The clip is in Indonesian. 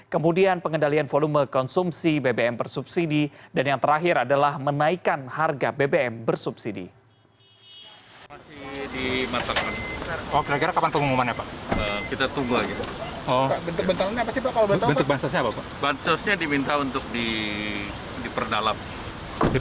kemudian pengendalian volume konsumsi bbm bersubsidi dan yang terakhir adalah menaikkan harga bbm bersubsidi